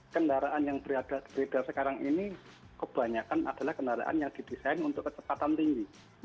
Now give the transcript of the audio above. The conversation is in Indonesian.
kendaraan yang berada sekarang ini kebanyakan adalah kendaraan yang didesain untuk kecepatan tinggi